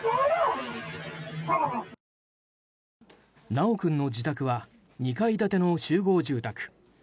修君の自宅は２階建ての集合住宅。